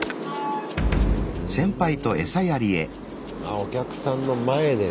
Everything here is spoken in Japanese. お客さんの前でね